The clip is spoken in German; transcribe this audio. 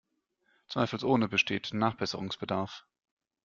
Zweifelsohne besteht Nachbesserungsbedarf.